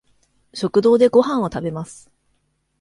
食堂でごはんを食べます。